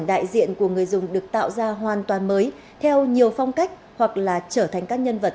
đại diện của người dùng được tạo ra hoàn toàn mới theo nhiều phong cách hoặc là trở thành các nhân vật